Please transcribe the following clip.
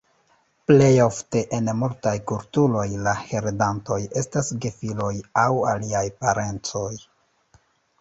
Plej ofte en multaj kulturoj la heredantoj estas gefiloj aŭ aliaj parencoj.